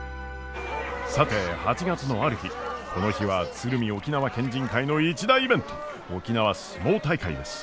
さて８月のある日この日は鶴見沖縄県人会の一大イベント沖縄角力大会です。